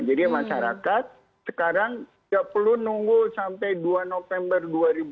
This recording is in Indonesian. jadi masyarakat sekarang tidak perlu nunggu sampai dua november dua ribu dua puluh dua